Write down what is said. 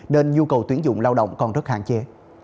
nên nhu cầu tuyển dụng lao động còn rất hạn chế